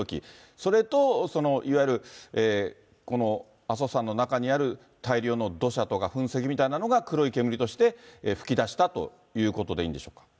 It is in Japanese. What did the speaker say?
それといわゆる阿蘇山の中にある大量の土砂とか噴石みたいなものが黒い煙として噴き出したということでいいんでしょうか。